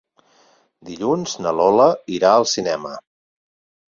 Dilluns na Lola irà al cinema.